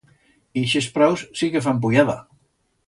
Ixes praus sí que fan puyada.